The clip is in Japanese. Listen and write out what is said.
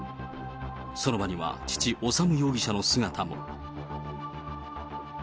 その場には父、修容疑者の姿も。